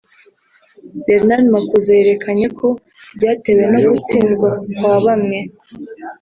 Bernard Makuza yerekanye ko byatewe no gutsindwa kwa bamwe